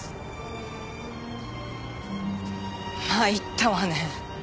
参ったわね。